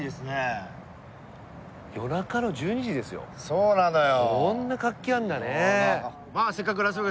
そうなのよ。